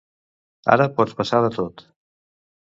Ara pot passar de tot.